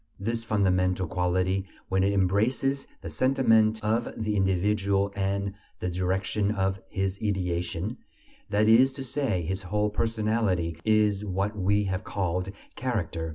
This fundamental quality, when it embraces the sentiment of the individual and the direction of his ideation, that is to say, his whole personality, is what we have called character.